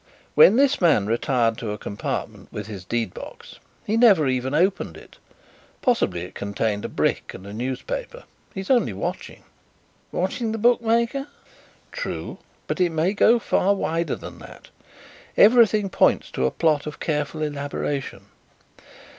When this man retired to a compartment with his deed box, he never even opened it. Possibly it contains a brick and a newspaper. He is only watching." "Watching the bookmaker." "True, but it may go far wider than that. Everything points to a plot of careful elaboration.